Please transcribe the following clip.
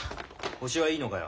星はいいのかよ。